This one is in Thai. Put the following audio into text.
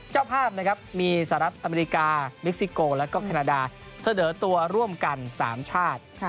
เจ้าภาพนะครับมีสหรัฐอเมริกาเม็กซิโกแล้วก็แคนาดาเสนอตัวร่วมกัน๓ชาติ